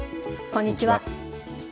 こんにちは。